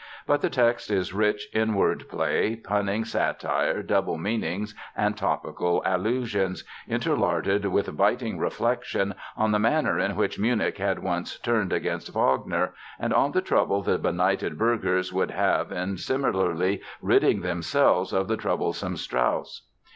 But the text is rich in word play, punning satire, double meanings and topical allusions, interlarded with biting reflections on the manner in which Munich had once turned against Wagner and on the trouble the benighted burghers would have in similarly ridding themselves of the troublesome Strauss!